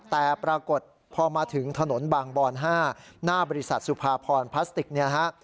แต่ปรากฏพอมาถึงถนนบางบอน๕หน้าบริษัทสุภาพรพลาสติกเนี่ยนะฮะ